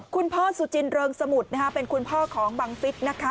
คุณพ่อสุจินเริงสมุทรเป็นคุณพ่อของบังฟิศนะคะ